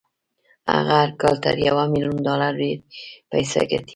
هغه هر کال تر يوه ميليون ډالر ډېرې پيسې ګټي.